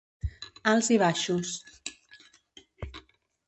Alts i baixos.